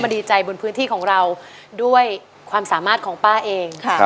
ดีใจบนพื้นที่ของเราด้วยความสามารถของป้าเอง